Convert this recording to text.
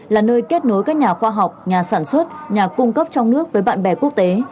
là nơi kết nối các nhà khoa học nhà sản xuất nhà cung cấp trong nước với bạn bè quốc tế